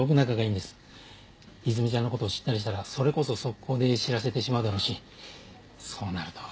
いずみちゃんの事を知ったりしたらそれこそ即行で知らせてしまうだろうしそうなると。